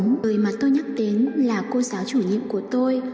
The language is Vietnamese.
nhưng mà tôi nhắc đến là cô giáo chủ nhiệm của tôi